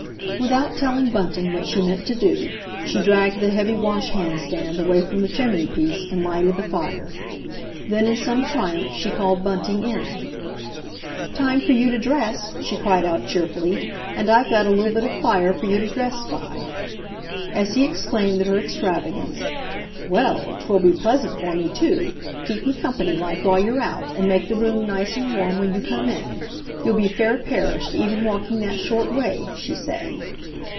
Without telling Bunting what she meant to do, she dragged the heavy washhand stand away from the chimneypiece, and lighted the fire. Then in some triumph she called Bunting in. "Time for you to dress," she cried out cheerfully, "and I've got a little bit of fire for you to dress by." As he exclaimed at her extravagance, "Well, 'twill be pleasant for me, too; keep me company like while you're out; and make the room nice and warm when you come in. You'll be fair perished, even walking that short way," she said.